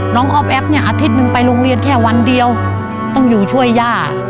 น้องออฟแอฟนี่อาทิตย์นึงไปโรงเรียนแค่วันเดียวต้องอยู่ช่วยรักเยอะ